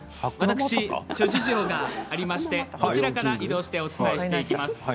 私、諸事情がありましてこちらから移動してお伝えしていきます。